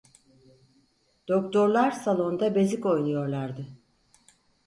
Doktorlar salonda bezik oynuyorlardı.